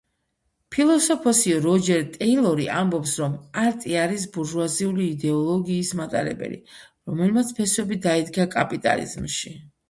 ფილოსოფოსი როჯერ ტეილორი ამბობს რომ არტი არის ბურჟუაზიული იდეოლოგიის მატარებელი, რომელმაც ფესვები დაიდგა კაპიტალიზმში.